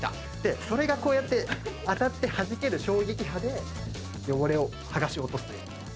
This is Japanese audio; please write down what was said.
それがこうやって当たってはじける衝撃波で汚れをはがし落とすと。